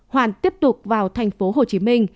hoàn tiếp tục vào thành phố hồ chí minh